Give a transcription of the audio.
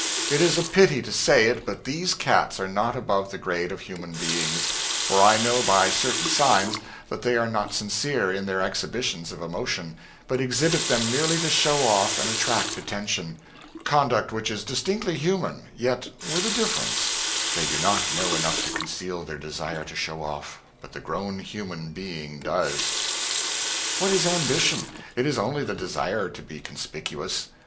It is a pity to say it, but these cats are not above the grade of human beings, for I know by certain signs that they are not sincere in their exhibitions of emotion, but exhibit them merely to show off and attract attention conduct which is distinctly human, yet with a difference: they do not know enough to conceal their desire to show off, but the grown human being does. What is ambition? It is only the desire to be conspicuous.